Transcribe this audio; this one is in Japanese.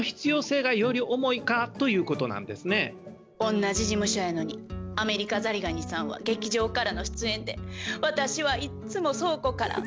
同じ事務所やのにアメリカザリガニさんは劇場からの出演で私はいつも倉庫から。